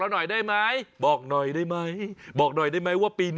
สุดยอดน้ำมันเครื่องจากญี่ปุ่น